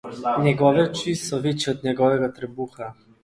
Njegove oči so večje od njegovega trebuha.